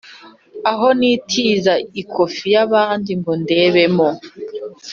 aho nitiza ikofi y’abandi ngo ndebemo